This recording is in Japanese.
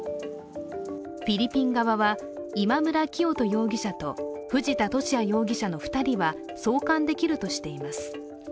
フィリピン側は、今村磨人容疑者と藤田聖也容疑者の２人は送還できるとしています。